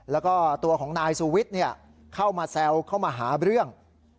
แล้วก็ตัวของนายสูวิทย์เข้ามาแซวเข้ามาหาเรื่อง